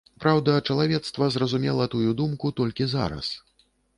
Праўда, чалавецтва зразумела тую думку толькі зараз.